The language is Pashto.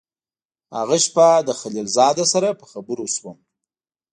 هغه شپه له خلیل زاده سره په خبرو شوم.